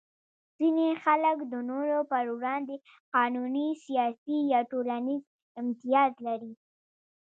ځینې خلک د نورو په وړاندې قانوني، سیاسي یا ټولنیز امتیاز لري.